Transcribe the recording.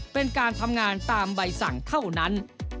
เป็นการทำงานตามใบสั่งเท่านั้น